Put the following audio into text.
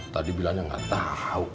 tadi bilangnya gak tau